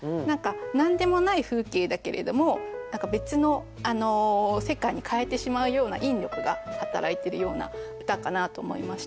何でもない風景だけれども別の世界に変えてしまうような引力が働いてるような歌かなと思いました。